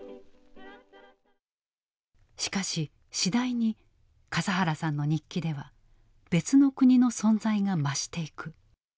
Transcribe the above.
しかし次第に笠原さんの日記では別の国の存在が増していく。